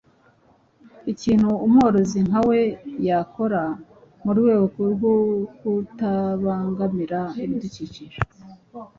ikintu umworozi nka we yakora mu rwego rwo kutabangamira ibidukikije,